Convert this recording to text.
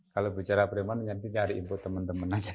kalau bicara preman nanti nyari input teman teman aja